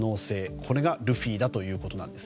これがルフィだということなんです。